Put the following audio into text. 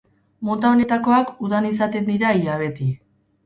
Mota honetakoak udan izaten dira ia beti.